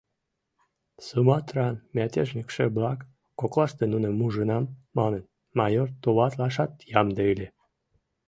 Суматран мятежникше-влак коклаште нуным ужынам манын, майор товатлашат ямде ыле